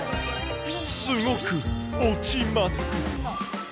すごく落ちます。